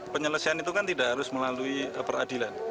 penyelesaian itu kan tidak harus melalui peradilan